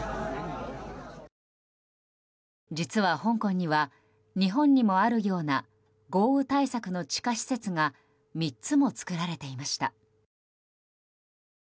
実は、香港には日本にもあるような豪雨対策の地下施設が３つも作られていました。